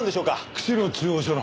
釧路中央署の。